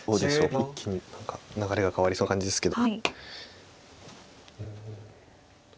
一気に流れが変わりそうな感じですけど。